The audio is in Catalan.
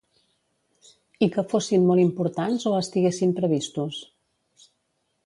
I que fossin molt importants o estiguessin previstos?